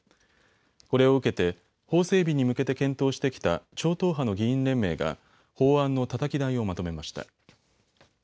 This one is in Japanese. これを受けて法整備に向けて検討してきた超党派の議員連盟が法案のたたき台をまとめました。